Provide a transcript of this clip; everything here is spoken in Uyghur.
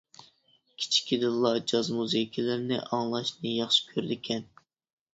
كىچىكىدىنلا جاز مۇزىكىلىرىنى ئاڭلاشنى ياخشى كۆرىدىكەن.